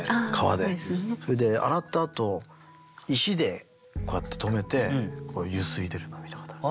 それで洗ったあと石でこうやって留めてゆすいでるのを見たことある。